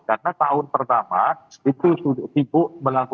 karena tahun pertama itu sibuk melakukan